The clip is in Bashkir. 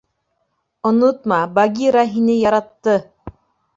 — Онотма, Багира һине яратты!